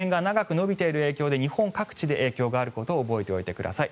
前線が長く延びている影響で日本各地で影響があることを覚えておいてください。